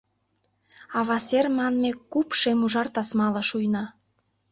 Авасер манме куп шем-ужар тасмала шуйна.